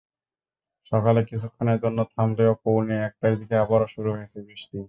সকালে কিছুক্ষণের জন্য থামলেও পৌনে একটার দিকে আবারও শুরু হয়েছে বৃষ্টি।